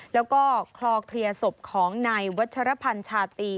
แล้วก็คลอเคลียร์ศพของนายวัชรพันธ์ชาตรี